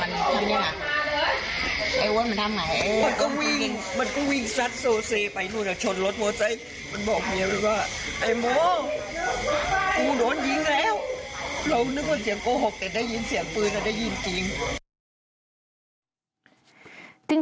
มันบอกเสียงเพลงให้ดีกว่าโมร์กูโดนยิงเร็วเรานึกว่าเสียงโกหกแต่ได้ยินเสียงปืนแล้วได้ยินจริง